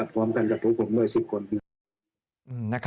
พร้อมกันกับทุกคนโน้ย๑๐คน